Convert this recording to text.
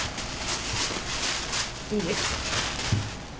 いいですね。